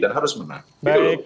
dan harus menang